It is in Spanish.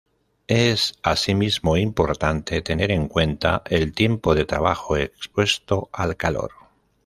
Es asimismo importante, tener en cuenta el tiempo de trabajo expuesto al calor.